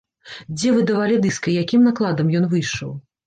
Дзе выдавалі дыск, і якім накладам ён выйшаў?